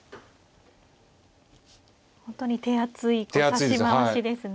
本当に手厚い指し回しですね。